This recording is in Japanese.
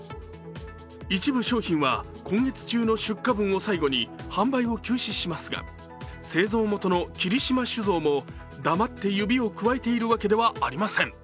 一部商品は今月中の出荷分を最後に製造元の霧島酒造も黙って指をくわえているわけではありません。